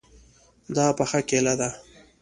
دا پخه کیله ده